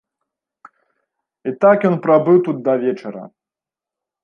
І так ён прабыў тут да вечара.